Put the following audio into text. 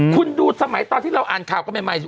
คุณดูสมัยตอนที่เราอ่านข่าวกันใหม่